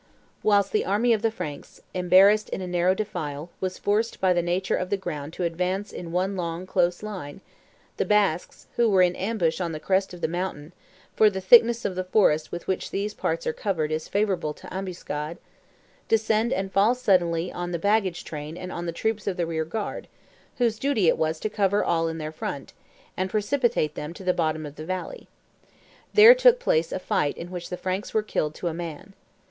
Whilst the army of the Franks, embarrassed in a narrow defile, was forced by the nature of the ground to advance in one long, close line, the Basques, who were in ambush on the crest of the mountain (for the thickness of the forest with which these parts are covered is favorable to ambuscade), descend and fall suddenly on the baggage train and on the troops of the rear guard, whose duty it was to cover all in their front, and precipitate them to the bottom of the valley. There took place a fight in which the Franks were killed to a man.